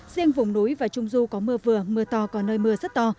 riêng vùng núi và trung du có mưa vừa mưa to có nơi mưa rất to